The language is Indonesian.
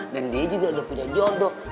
dan dia juga udah punya jodoh